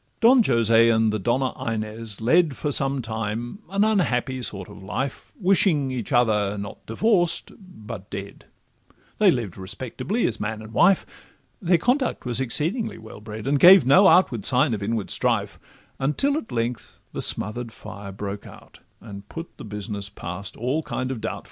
Don Jose and the Donna Inez led For some time an unhappy sort of life, Wishing each other, not divorced, but dead; They lived respectably as man and wife, Their conduct was exceedingly well bred, And gave no outward signs of inward strife, Until at length the smother'd fire broke out, And put the business past all kind of doubt.